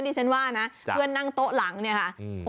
ดิฉันว่านะเพื่อนนั่งโต๊ะหลังเนี่ยค่ะ